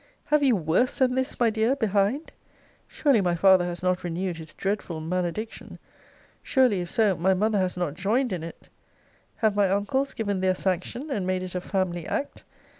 Have you worse than this, my dear, behind? Surely my father has not renewed his dreadful malediction! Surely, if so, my mother has not joined in it! Have my uncles given their sanction, and made it a family act?